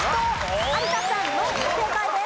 有田さんのみ正解です。